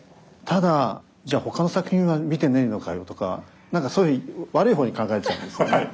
ただじゃあ「ほかの作品は見てねえのかよ」とかそういうふうに悪い方に考えちゃうんですね。